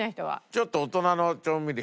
ちょっと大人の調味料？